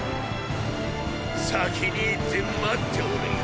先に行って待っておれィ！